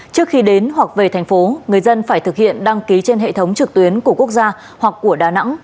trước khi đến hoặc về thành phố người dân phải thực hiện đăng ký trên hệ thống trực tuyến của quốc gia hoặc của đà nẵng